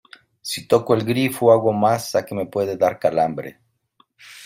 si toco el grifo, hago masa , que me puede dar calambre